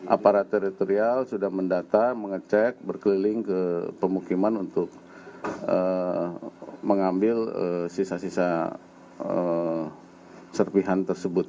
aparaterial sudah mendata mengecek berkeliling ke pemukiman untuk mengambil sisa sisa serpihan tersebut